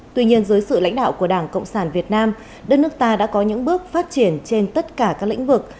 tuy nhiên dưới sự lãnh đạo của đảng cộng sản việt nam đất nước ta đã có những bước phát triển trên tất cả các lĩnh vực